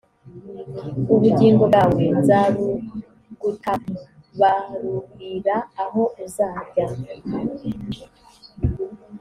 ubugingo bwawe nzabugutabarurira aho uzajya